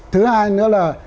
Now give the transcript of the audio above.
thứ hai nữa là